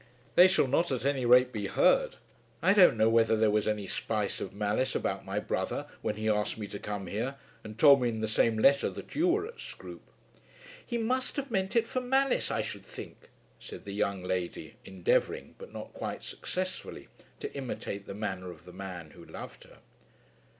"They shall not at any rate be heard. I don't know whether there was any spice of malice about my brother when he asked me to come here, and told me in the same letter that you were at Scroope." "He must have meant it for malice, I should think," said the young lady, endeavouring, but not quite successfully, to imitate the manner of the man who loved her.